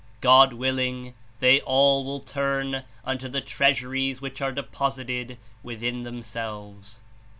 God willing, they all will turn unto the treasuries which are deposited within themselves."